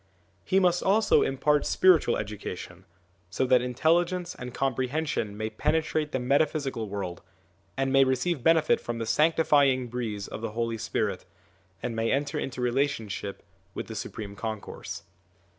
He must also impart spiritual education; so that intelligence and comprehension may penetrate the ON THE INFLUENCE OF THE PROPHETS 11 metaphysical world, and may receive benefit from the sanctifying breeze of the Holy Spirit, and may enter into relationship with the Supreme Concourse.